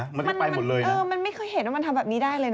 มันไม่เคยเห็นว่ามันทำแบบนี้ได้เลยนะ